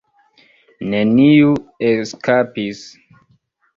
Neniu eskapis.